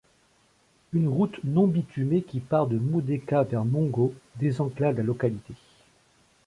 Une route non bitumée qui part de Mudéka vers Mungo désenclave la localité.